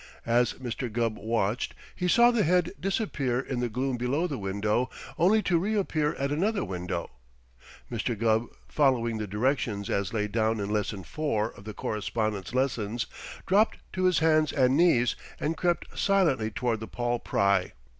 As Mr. Gubb watched, he saw the head disappear in the gloom below the window only to reappear at another window. Mr. Gubb, following the directions as laid down in Lesson Four of the Correspondence Lessons, dropped to his hands and knees and crept silently toward the "Paul Pry."